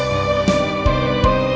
lu udah ngapain